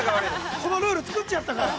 ◆このルールを作っちゃったから。